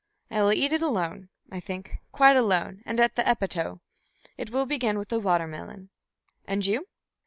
I will eat it alone, I think, quite alone, and at Epitaux. It will begin with a watermelon. And you?"